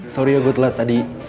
sorry ya gue telat tadi